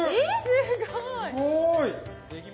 すごい！